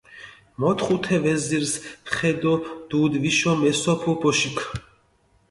მოთხუ თე ვეზირს ხე დო დუდი ვიშო მესოფუ ბოშიქ.